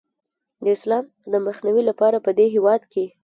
د اسلام د مخنیوي لپاره پدې هیواد کې